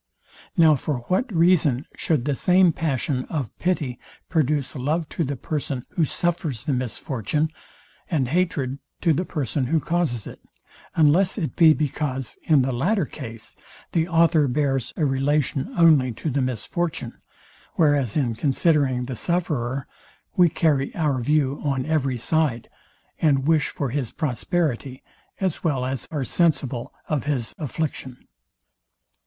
Now for what reason should the same passion of pity produce love to the person, who suffers the misfortune, and hatred to the person, who causes it; unless it be because in the latter case the author bears a relation only to the misfortune; whereas in considering the sufferer we carry our view on every side, and wish for his prosperity, as well as are sensible of his affliction?